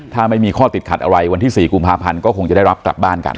ถ้าไม่มีข้อติดขัดอะไรวันที่๔กุมภาพันธ์ก็คงจะได้รับกลับบ้านกัน